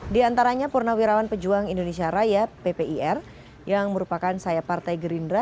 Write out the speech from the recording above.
di antaranya purnawirawan pejuang indonesia raya ppir yang merupakan sayap partai gerindra